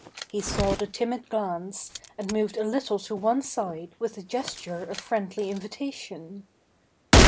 He saw the timid glance and moved a little to one side with a gesture of friendly invitation.